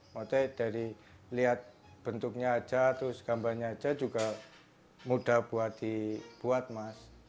maksudnya dari lihat bentuknya aja terus gambarnya aja juga mudah buat dibuat mas